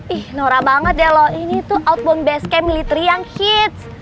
ih nora banget ya loh ini tuh outbound base camp military yang hits